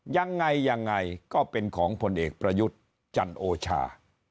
ยังไงยังไงก็เป็นของผลเอกประยุทธ์จันโอชา